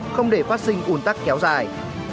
không để phát sinh ủn tắc kéo dài